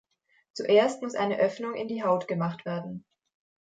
Zuerst muss eine Öffnung in die Haut gemacht werden.